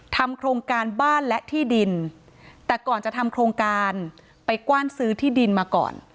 ทำโครงการบ้านและที่ดินแต่ก่อนจะทำโครงการไปกว้านซื้อที่ดินมาก่อน